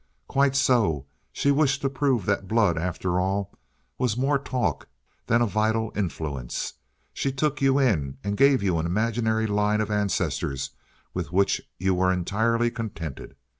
"Quite so. She wished to prove that blood, after all, was more talk than a vital influence. So she took you in and gave you an imaginary line of ancestors with which you were entirely contented.